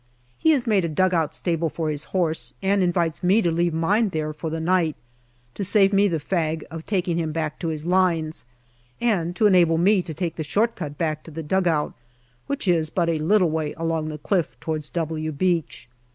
He has made a dug out stable for his horse, and invites me to leave mine there for the night, to save me the fag of taking him back to his lines, and to enable me to take the shortcut back to the dugout, which is but a little way along the cliff towards " W " Beach.